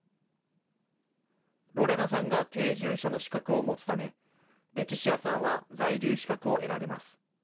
ロレナさんが定住者の資格を持つため、レチシアさんは在留資格を得られます。